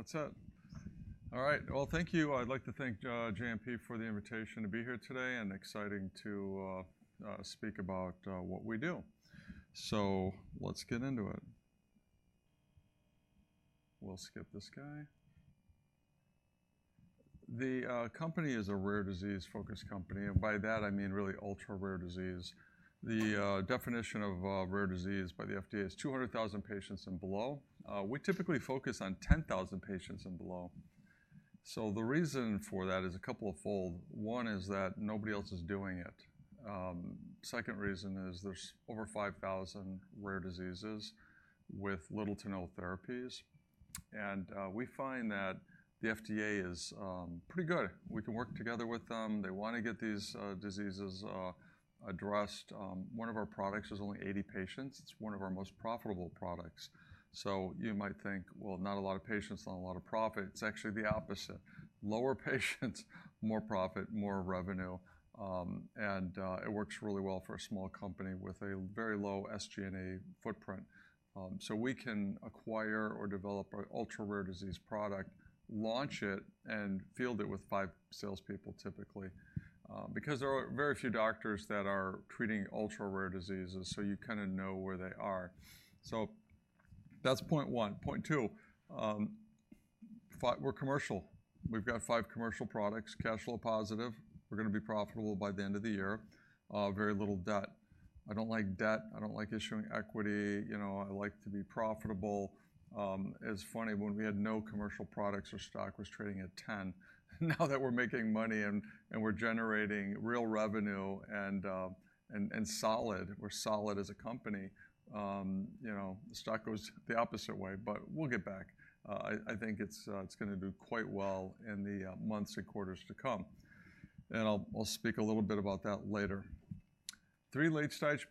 Let's hit. All right, well, thank you. I'd like to thank JMP for the invitation to be here today, and exciting to speak about what we do. So let's get into it. We'll skip this guy. The company is a rare disease-focused company, and by that I mean really ultra-rare disease. The definition of rare disease by the FDA is 200,000 patients and below. We typically focus on 10,000 patients and below. So the reason for that is a couple of fold. One is that nobody else is doing it. Second reason is there's over 5,000 rare diseases with little to no therapies. And we find that the FDA is pretty good. We can work together with them. They want to get these diseases addressed. One of our products has only 80 patients. It's one of our most profitable products. So you might think, well, not a lot of patients, not a lot of profit. It's actually the opposite. Lower patients, more profit, more revenue. And it works really well for a small company with a very low SG&A footprint. So we can acquire or develop an ultra-rare disease product, launch it, and field it with five salespeople, typically, because there are very few doctors that are treating ultra-rare diseases, so you kind of know where they are. So that's point one. Point two, we're commercial. We've got five commercial products, cash flow positive. We're going to be profitable by the end of the year. Very little debt. I don't like debt. I don't like issuing equity. I like to be profitable. It's funny, when we had no commercial products, our stock was trading at 10. Now that we're making money and we're generating real revenue and solid, we're solid as a company, the stock goes the opposite way, but we'll get back. I think it's going to do quite well in the months and quarters to come. I'll speak a little bit about that later. Three late-stage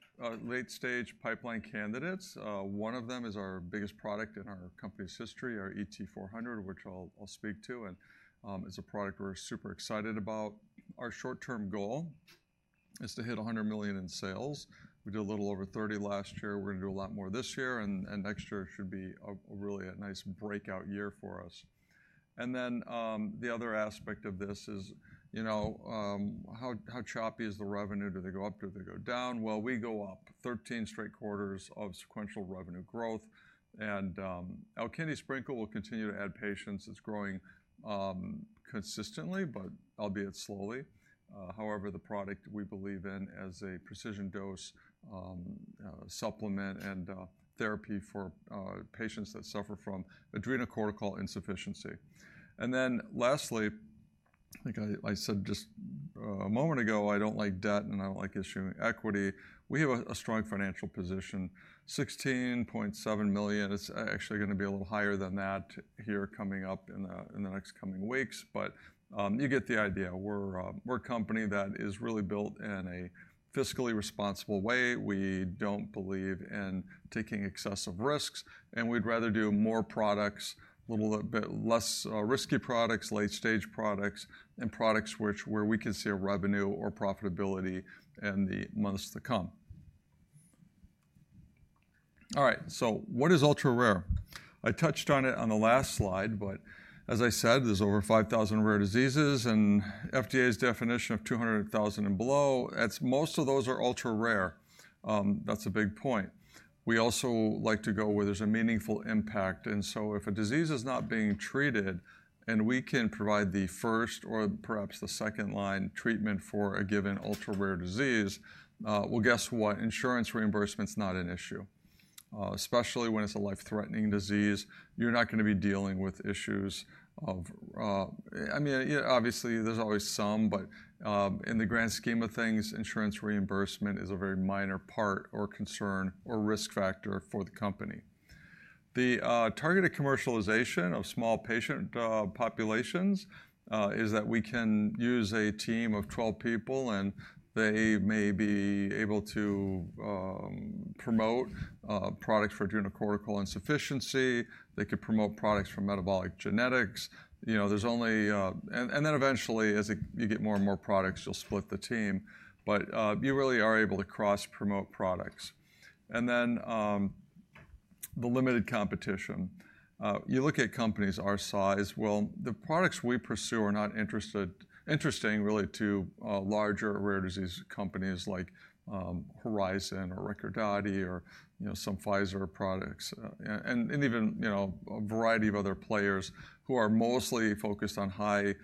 pipeline candidates. One of them is our biggest product in our company's history, our ET-400, which I'll speak to, and is a product we're super excited about. Our short-term goal is to hit $100 million in sales. We did a little over $30 million last year. We're going to do a lot more this year, and next year should be really a nice breakout year for us. Then the other aspect of this is how choppy is the revenue? Do they go up? Do they go down? Well, we go up 13 straight quarters of sequential revenue growth. And Alkindi Sprinkle will continue to add patients. It's growing consistently, but albeit slowly. However, the product we believe in as a precision dose supplement and therapy for patients that suffer from adrenocortical insufficiency. And then lastly, I think I said just a moment ago, I don't like debt, and I don't like issuing equity. We have a strong financial position, $16.7 million. It's actually going to be a little higher than that here coming up in the next coming weeks. But you get the idea. We're a company that is really built in a fiscally responsible way. We don't believe in taking excessive risks. And we'd rather do more products, a little bit less risky products, late-stage products, and products where we can see a revenue or profitability in the months to come. All right, so what is ultra-rare? I touched on it on the last slide, but as I said, there's over 5,000 rare diseases, and FDA's definition of 200,000 and below, most of those are ultra-rare. That's a big point. We also like to go where there's a meaningful impact. And so if a disease is not being treated and we can provide the first or perhaps the second-line treatment for a given ultra-rare disease, well, guess what? Insurance reimbursement's not an issue. Especially when it's a life-threatening disease, you're not going to be dealing with issues of I mean, obviously, there's always some, but in the grand scheme of things, insurance reimbursement is a very minor part or concern or risk factor for the company. The targeted commercialization of small patient populations is that we can use a team of 12 people, and they may be able to promote products for adrenocortical insufficiency. They could promote products for metabolic genetics. There's only and then eventually, as you get more and more products, you'll split the team. But you really are able to cross-promote products. And then the limited competition. You look at companies our size, well, the products we pursue are not interesting, really, to larger rare disease companies like Horizon or Recordati or some Pfizer products and even a variety of other players who are mostly focused on high-value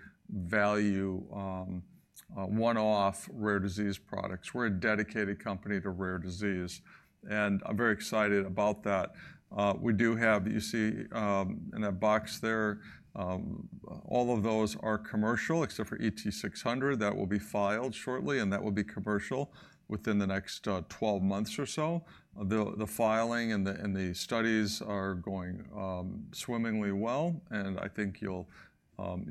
one-off rare disease products. We're a dedicated company to rare disease, and I'm very excited about that. We do have you see in that box there, all of those are commercial except for ET-600. That will be filed shortly, and that will be commercial within the next 12 months or so. The filing and the studies are going swimmingly well, and I think you'll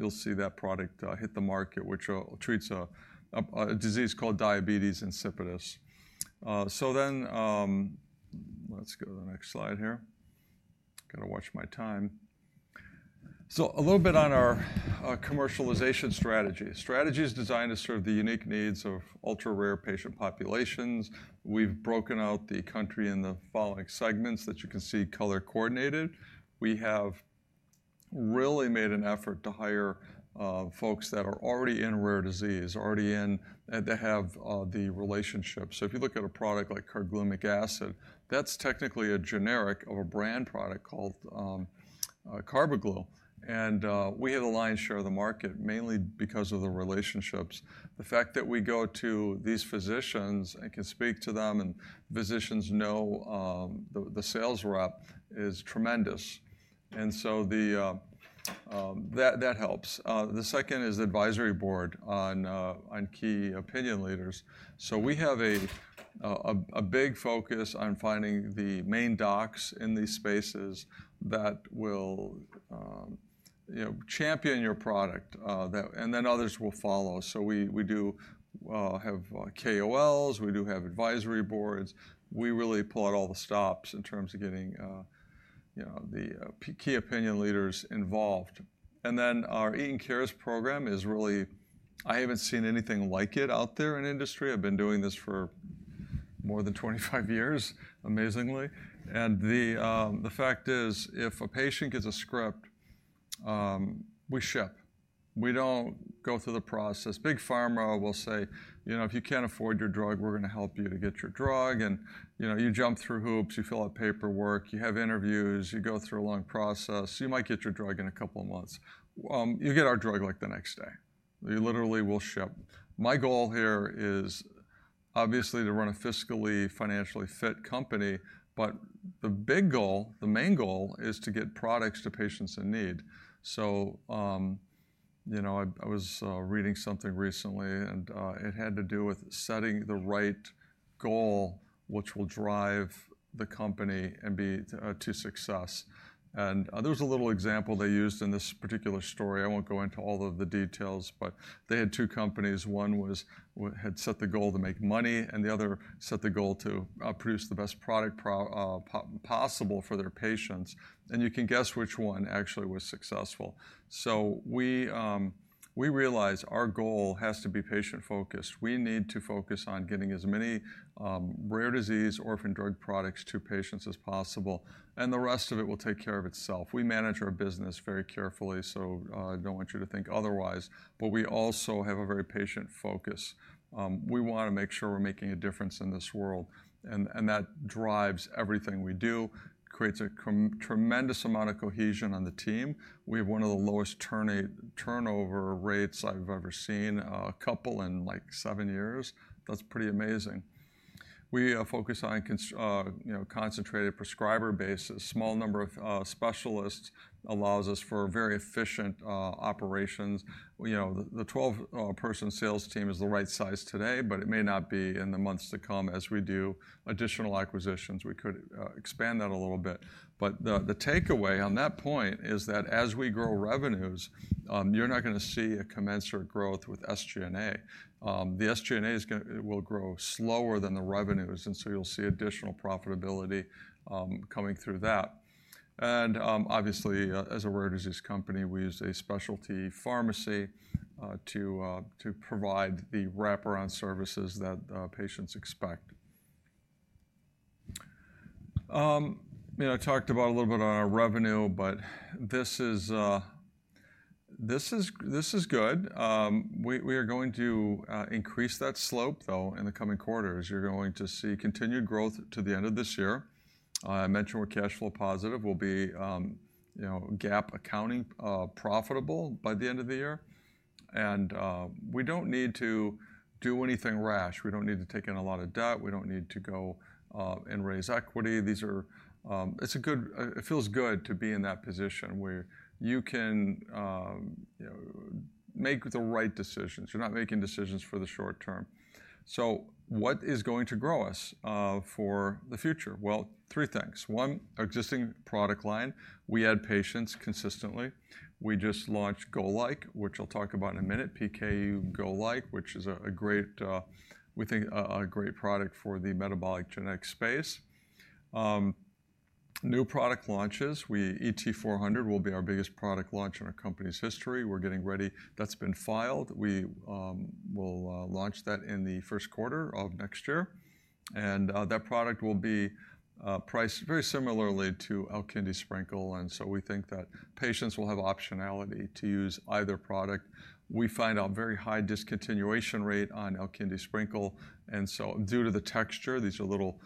see that product hit the market, which treats a disease called diabetes insipidus. So then let's go to the next slide here. Got to watch my time. So a little bit on our commercialization strategy. Strategy is designed to serve the unique needs of ultra-rare patient populations. We've broken out the country in the following segments that you can see color-coordinated. We have really made an effort to hire folks that are already in rare disease, already in that have the relationship. So if you look at a product like carglumic acid, that's technically a generic of a brand product called Carbaglu. And we have a lion's share of the market, mainly because of the relationships. The fact that we go to these physicians and can speak to them and physicians know the sales rep is tremendous. And so that helps. The second is the advisory board on key opinion leaders. So we have a big focus on finding the main docs in these spaces that will champion your product, and then others will follow. So we do have KOLs. We do have advisory boards. We really pull out all the stops in terms of getting the key opinion leaders involved. And then our Eton Cares program is really. I haven't seen anything like it out there in industry. I've been doing this for more than 25 years, amazingly. And the fact is, if a patient gets a script, we ship. We don't go through the process. Big Pharma will say, if you can't afford your drug, we're going to help you to get your drug. You jump through hoops. You fill out paperwork. You have interviews. You go through a long process. You might get your drug in a couple of months. You get our drug like the next day. We literally will ship. My goal here is, obviously, to run a fiscally, financially fit company, but the big goal, the main goal, is to get products to patients in need. So I was reading something recently, and it had to do with setting the right goal, which will drive the company and be to success. And there was a little example they used in this particular story. I won't go into all of the details, but they had two companies. One had set the goal to make money, and the other set the goal to produce the best product possible for their patients. And you can guess which one actually was successful. So we realized our goal has to be patient-focused. We need to focus on getting as many rare disease orphan drug products to patients as possible, and the rest of it will take care of itself. We manage our business very carefully, so I don't want you to think otherwise. But we also have a very patient focus. We want to make sure we're making a difference in this world, and that drives everything we do, creates a tremendous amount of cohesion on the team. We have one of the lowest turnover rates I've ever seen, a couple in like seven years. That's pretty amazing. We focus on a concentrated prescriber base. A small number of specialists allows us for very efficient operations. The 12-person sales team is the right size today, but it may not be in the months to come as we do additional acquisitions. We could expand that a little bit. But the takeaway on that point is that as we grow revenues, you're not going to see a commensurate growth with SG&A. The SG&A will grow slower than the revenues, and so you'll see additional profitability coming through that. And obviously, as a rare disease company, we use a specialty pharmacy to provide the wraparound services that patients expect. I talked about a little bit on our revenue, but this is good. We are going to increase that slope, though, in the coming quarters. You're going to see continued growth to the end of this year. I mentioned we're cash flow positive. We'll be GAAP accounting profitable by the end of the year. And we don't need to do anything rash. We don't need to take in a lot of debt. We don't need to go and raise equity. It feels good to be in that position where you can make the right decisions. You're not making decisions for the short term. So what is going to grow us for the future? Well, three things. One, existing product line. We add patients consistently. We just launched PKU GOLIKE, which I'll talk about in a minute, PKU GOLIKE, which is, we think, a great product for the metabolic genetics space. New product launches. ET-400 will be our biggest product launch in our company's history. We're getting ready. That's been filed. We will launch that in the first quarter of next year. And that product will be priced very similarly to Alkindi Sprinkle. And so we think that patients will have optionality to use either product. We find out a very high discontinuation rate on Alkindi Sprinkle. And so due to the texture, these are little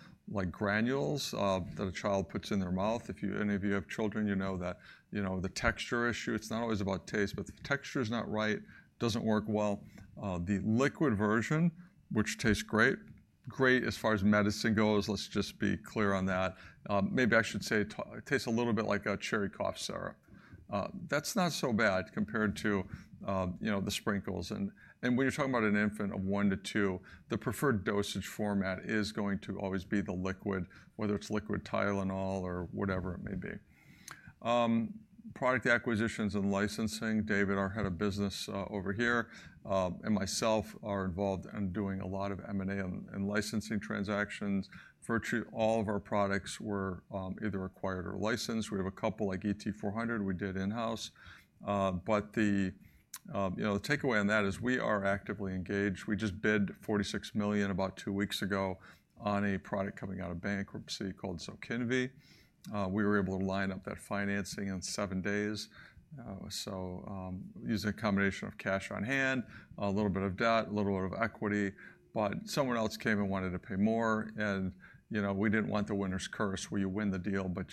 granules that a child puts in their mouth. If any of you have children, you know that the texture issue, it's not always about taste, but the texture is not right, doesn't work well. The liquid version, which tastes great, great as far as medicine goes, let's just be clear on that. Maybe I should say it tastes a little bit like a cherry cough syrup. That's not so bad compared to the sprinkles. And when you're talking about an infant of one to two, the preferred dosage format is going to always be the liquid, whether it's liquid Tylenol or whatever it may be. Product acquisitions and licensing. David, our head of business over here, and myself are involved in doing a lot of M&A and licensing transactions. Virtually all of our products were either acquired or licensed. We have a couple like ET-400 we did in-house. But the takeaway on that is we are actively engaged. We just bid $46 million about two weeks ago on a product coming out of bankruptcy called Zokinvy. We were able to line up that financing in seven days. So using a combination of cash on hand, a little bit of debt, a little bit of equity, but someone else came and wanted to pay more. And we didn't want the winner's curse. Well, you win the deal, but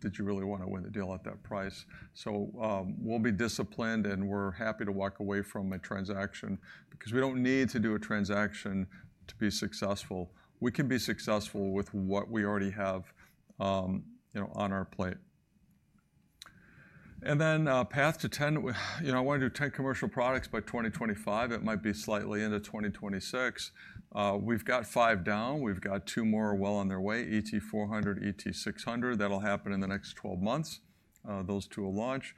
did you really want to win the deal at that price? So we'll be disciplined, and we're happy to walk away from a transaction because we don't need to do a transaction to be successful. We can be successful with what we already have on our plate. And then path to 10, I want to do 10 commercial products by 2025. It might be slightly into 2026. We've got 5 down. We've got two more well on their way, ET-400, ET-600. That'll happen in the next 12 months. Those two will launch.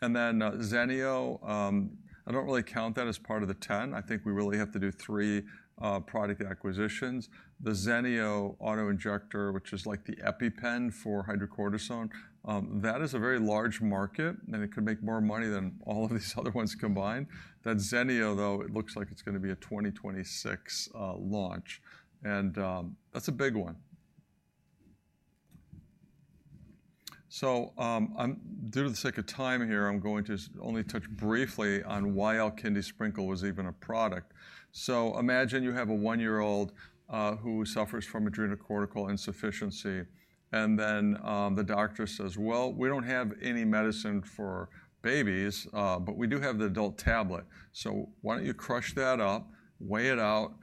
Then ZENEO. I don't really count that as part of the 10. I think we really have to do three product acquisitions. The ZENEO autoinjector, which is like the EpiPen for hydrocortisone, that is a very large market, and it could make more money than all of these other ones combined. That ZENEO, though, it looks like it's going to be a 2026 launch. And that's a big one. So for the sake of time here, I'm going to only touch briefly on why Alkindi Sprinkle was even a product. So imagine you have a one-year-old who suffers from adrenocortical insufficiency, and then the doctor says, "Well, we don't have any medicine for babies, but we do have the adult tablet. So why don't you crush that up, weigh it out,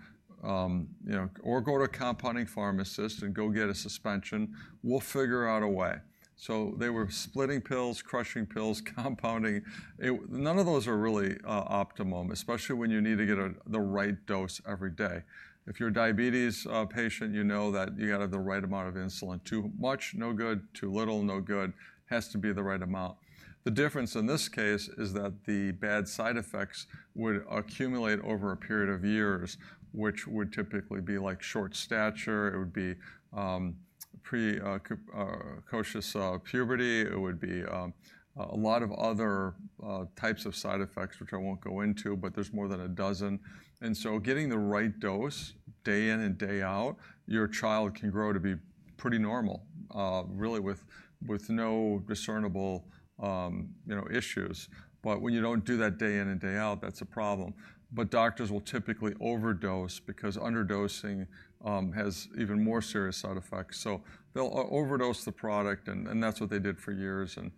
or go to a compounding pharmacist and go get a suspension? We'll figure out a way." So they were splitting pills, crushing pills, compounding. None of those are really optimum, especially when you need to get the right dose every day. If you're a diabetes patient, you know that you got to have the right amount of insulin. Too much, no good. Too little, no good. Has to be the right amount. The difference in this case is that the bad side effects would accumulate over a period of years, which would typically be like short stature. It would be precocious puberty. It would be a lot of other types of side effects, which I won't go into, but there's more than a dozen. And so getting the right dose day in and day out, your child can grow to be pretty normal, really, with no discernible issues. But when you don't do that day in and day out, that's a problem. But doctors will typically overdose because underdosing has even more serious side effects. So they'll overdose the product, and that's what they did for years, and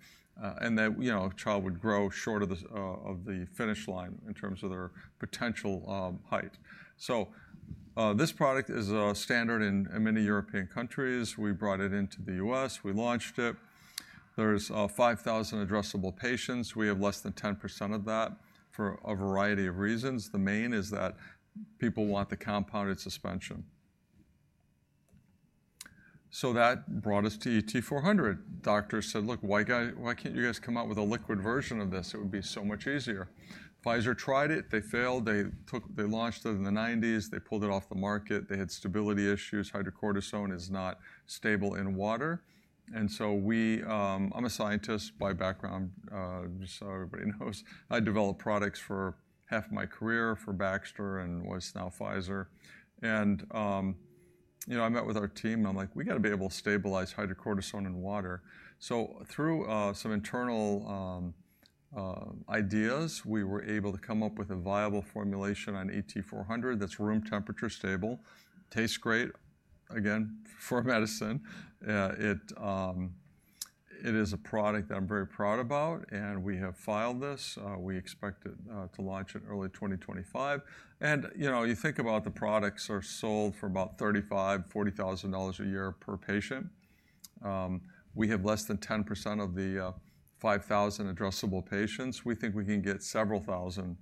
that child would grow short of the finish line in terms of their potential height. So this product is a standard in many European countries. We brought it into the U.S. We launched it. There's 5,000 addressable patients. We have less than 10% of that for a variety of reasons. The main is that people want the compounded suspension. So that brought us to ET-400. Doctors said, "Look, why can't you guys come out with a liquid version of this? It would be so much easier." Pfizer tried it. They failed. They launched it in the 1990s. They pulled it off the market. They had stability issues. Hydrocortisone is not stable in water. And so I'm a scientist by background, just so everybody knows. I developed products for half of my career for Baxter and was now Pfizer. And I met with our team, and I'm like, "We got to be able to stabilize hydrocortisone in water." So through some internal ideas, we were able to come up with a viable formulation on ET-400 that's room temperature stable, tastes great, again, for medicine. It is a product that I'm very proud about, and we have filed this. We expect to launch in early 2025. You think about the products that are sold for about $35,000-$40,000 a year per patient. We have less than 10% of the 5,000 addressable patients. We think we can get several thousand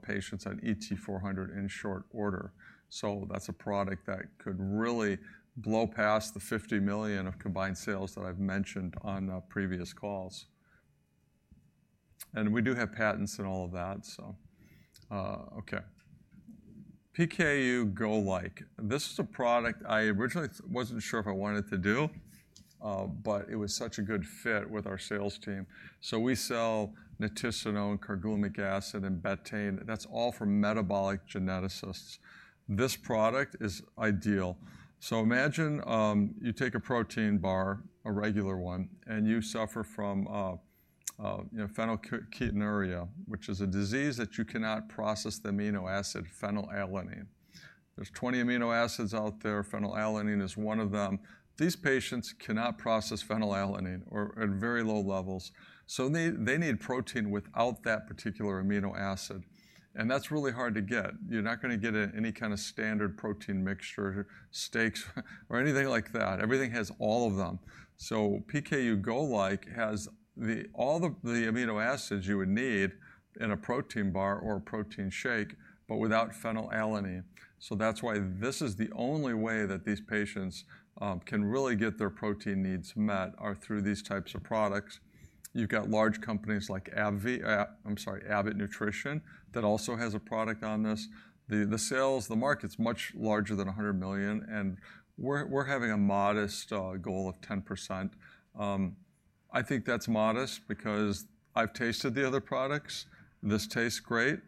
patients on ET-400 in short order. So that's a product that could really blow past the $50 million of combined sales that I've mentioned on previous calls. And we do have patents and all of that, so. Okay. PKU GOLIKE. This is a product I originally wasn't sure if I wanted to do, but it was such a good fit with our sales team. So we sell nitisinone, carglumic ccid, and betaine. That's all for metabolic geneticists. This product is ideal. So imagine you take a protein bar, a regular one, and you suffer from phenylketonuria, which is a disease that you cannot process the amino acid phenylalanine. There's 20 amino acids out there. Phenylalanine is one of them. These patients cannot process phenylalanine at very low levels. So they need protein without that particular amino acid. And that's really hard to get. You're not going to get any kind of standard protein mixture, steaks, or anything like that. Everything has all of them. So PKU GOLIKE has all the amino acids you would need in a protein bar or a protein shake, but without phenylalanine. So that's why this is the only way that these patients can really get their protein needs met are through these types of products. You've got large companies like Abbott Nutrition that also has a product on this. The market's much larger than $100 million, and we're having a modest goal of 10%. I think that's modest because I've tasted the other products. This tastes great.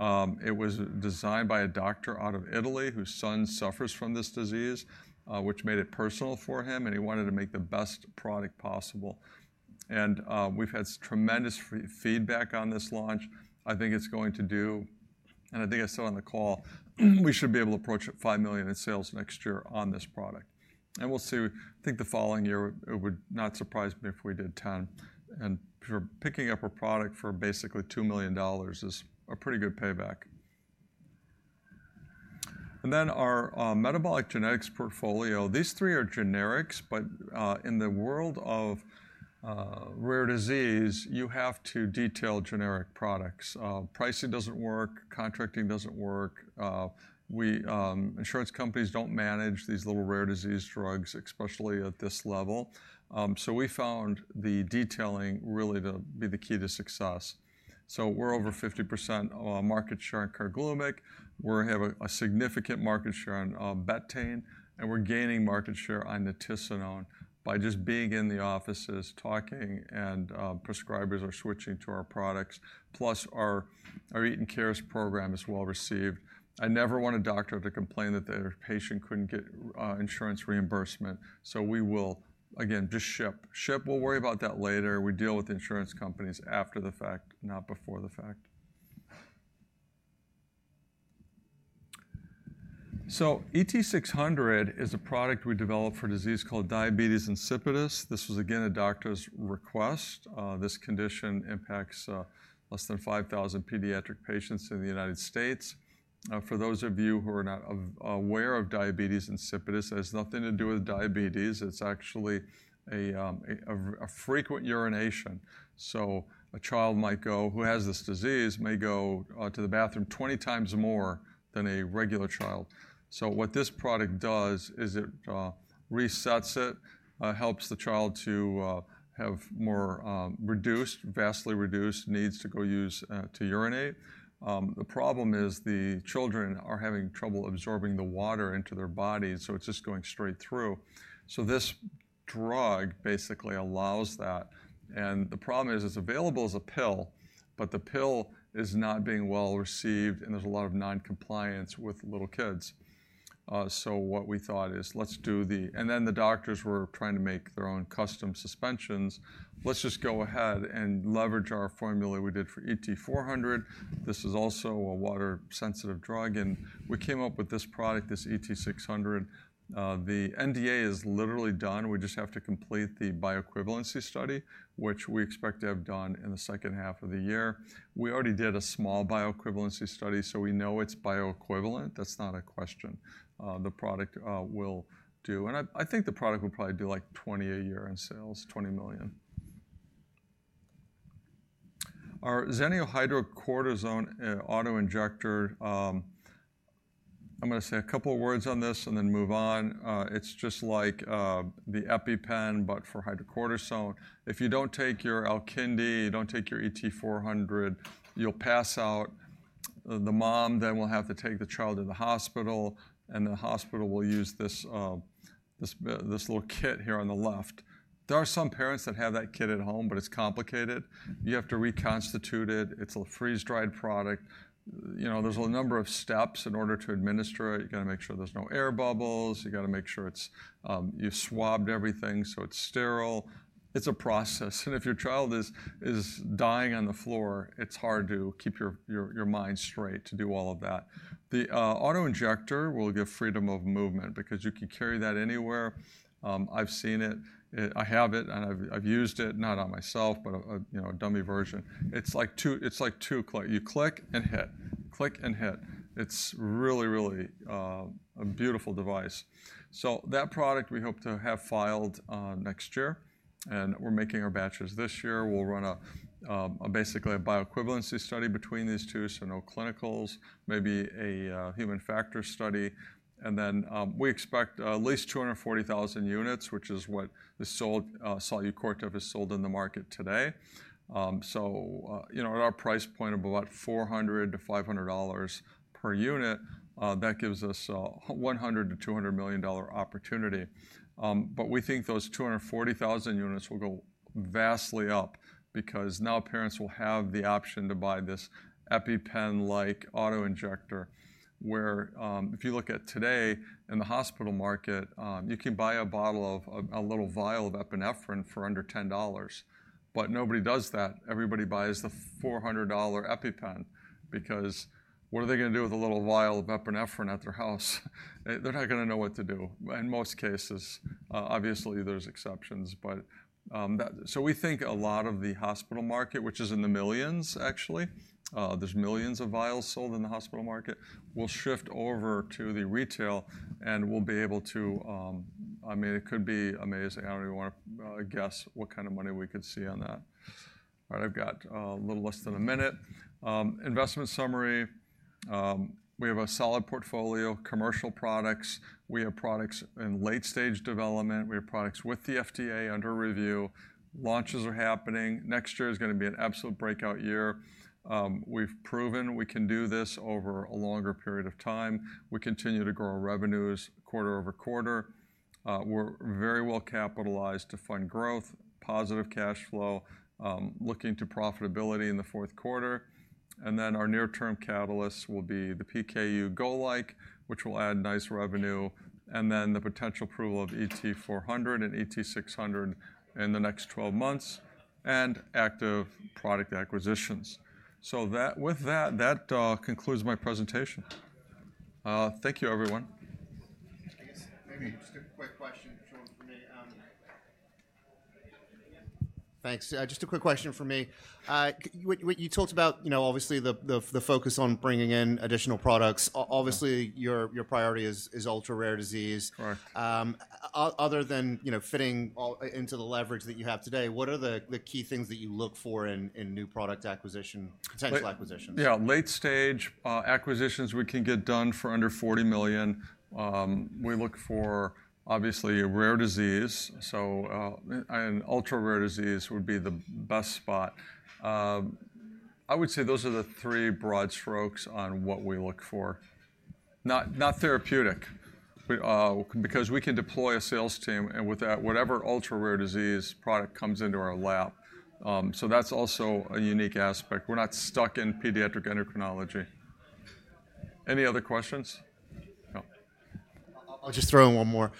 It was designed by a doctor out of Italy whose son suffers from this disease, which made it personal for him, and he wanted to make the best product possible. We've had tremendous feedback on this launch. I think it's going to do, and I think I said on the call, we should be able to approach $5 million in sales next year on this product. We'll see. I think the following year, it would not surprise me if we did $10 million. Picking up a product for basically $2 million is a pretty good payback. Then our metabolic genetics portfolio, these three are generics, but in the world of rare disease, you have to detail generic products. Pricing doesn't work. Contracting doesn't work. Insurance companies don't manage these little rare disease drugs, especially at this level. So we found the detailing really to be the key to success. We're over 50% market share in carglumic. We have a significant market share in betaine, and we're gaining market share on nitisinone by just being in the offices talking, and prescribers are switching to our products. Plus, our Eton Cares program is well received. I never want a doctor to complain that their patient couldn't get insurance reimbursement. So we will, again, just ship. Ship. We'll worry about that later. We deal with the insurance companies after the fact, not before the fact. So ET-600 is a product we developed for a disease called diabetes insipidus. This was, again, a doctor's request. This condition impacts less than 5,000 pediatric patients in the United States. For those of you who are not aware of diabetes insipidus, it has nothing to do with diabetes. It's actually a frequent urination. So a child might go, who has this disease, may go to the bathroom 20 times more than a regular child. So what this product does is it resets it, helps the child to have more reduced, vastly reduced needs to go use to urinate. The problem is the children are having trouble absorbing the water into their bodies, so it's just going straight through. So this drug basically allows that. And the problem is it's available as a pill, but the pill is not being well received, and there's a lot of noncompliance with little kids. So what we thought is, let's do the and then the doctors were trying to make their own custom suspensions. Let's just go ahead and leverage our formula we did for ET-400. This is also a water-sensitive drug. And we came up with this product, this ET-600. The NDA is literally done. We just have to complete the bioequivalency study, which we expect to have done in the second half of the year. We already did a small bioequivalency study, so we know it's bioequivalent. That's not a question the product will do. I think the product will probably do like $20 million a year in sales. Our ZENEO hydrocortisone autoinjector, I'm going to say a couple of words on this and then move on. It's just like the EpiPen, but for hydrocortisone. If you don't take your Alkindi, you don't take your ET-400, you'll pass out. The mom then will have to take the child to the hospital, and the hospital will use this little kit here on the left. There are some parents that have that kit at home, but it's complicated. You have to reconstitute it. It's a freeze-dried product. There's a number of steps in order to administer it. You got to make sure there's no air bubbles. You got to make sure you swabbed everything so it's sterile. It's a process. And if your child is dying on the floor, it's hard to keep your mind straight to do all of that. The autoinjector will give freedom of movement because you can carry that anywhere. I've seen it. I have it, and I've used it, not on myself, but a dummy version. It's like two. You click and hit. Click and hit. It's really, really a beautiful device. So that product, we hope to have filed next year, and we're making our batches this year. We'll run basically a bioequivalency study between these two, so no clinicals, maybe a human factors study. Then we expect at least 240,000 units, which is what the Solu-Cortef has sold in the market today. So at our price point of about $400-$500 per unit, that gives us a $100-$200 million opportunity. But we think those 240,000 units will go vastly up because now parents will have the option to buy this EpiPen-like autoinjector, where if you look at today in the hospital market, you can buy a bottle of a little vial of epinephrine for under $10, but nobody does that. Everybody buys the $400 EpiPen because what are they going to do with a little vial of epinephrine at their house? They're not going to know what to do in most cases. Obviously, there's exceptions. So we think a lot of the hospital market, which is in the millions, actually, there's millions of vials sold in the hospital market, will shift over to the retail, and we'll be able to I mean, it could be amazing. I don't even want to guess what kind of money we could see on that. All right. I've got a little less than a minute. Investment summary. We have a solid portfolio, commercial products. We have products in late-stage development. We have products with the FDA under review. Launches are happening. Next year is going to be an absolute breakout year. We've proven we can do this over a longer period of time. We continue to grow revenues quarter-over-quarter. We're very well capitalized to fund growth, positive cash flow, looking to profitability in the fourth quarter. And then our near-term catalysts will be the PKU GOLIKE, which will add nice revenue, and then the potential approval of ET-400 and ET-600 in the next 12 months and active product acquisitions. So with that, that concludes my presentation. Thank you, everyone. I guess maybe just a quick question, Sean, for me. Thanks. Just a quick question for me. You talked about, obviously, the focus on bringing in additional products. Obviously, your priority is ultra-rare disease. Other than fitting into the leverage that you have today, what are the key things that you look for in new product acquisition, potential acquisitions? Yeah. Late-stage acquisitions we can get done for under $40 million. We look for, obviously, a rare disease. So an ultra-rare disease would be the best spot. I would say those are the three broad strokes on what we look for, not therapeutic, because we can deploy a sales team, and with that, whatever ultra-rare disease product comes into our lab. So that's also a unique aspect. We're not stuck in pediatric endocrinology. Any other questions? No. I'll just throw in one more.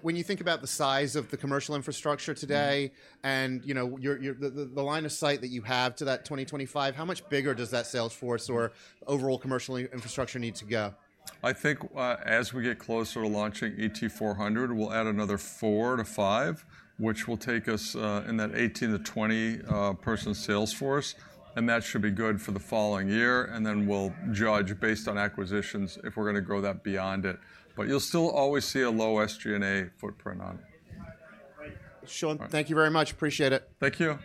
When you think about the size of the commercial infrastructure today and the line of sight that you have to that 2025, how much bigger does that salesforce or overall commercial infrastructure need to go? I think as we get closer to launching ET-400, we'll add another four to five, which will take us in that 18-20-person salesforce. That should be good for the following year. Then we'll judge based on acquisitions if we're going to grow that beyond it. But you'll still always see a low SG&A footprint on it. Sean, thank you very much. Appreciate it. Thank you.